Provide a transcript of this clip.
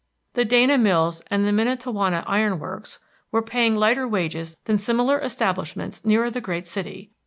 The Dana Mills and the Miantowona Iron Works were paying lighter wages than similar establishments nearer the great city.